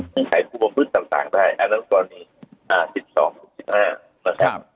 หรือขายควบคุมพืชต่างได้อันนั้นตอนนี้๑๒๑๕นะครับ